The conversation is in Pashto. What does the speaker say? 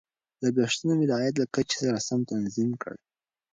لګښتونه مې د عاید له کچې سره سم تنظیم کړل.